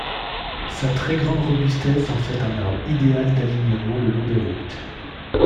Sa très grande robustesse en fait un arbre idéal d’alignement le long des routes.